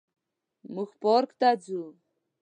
موږ پارک ته ځو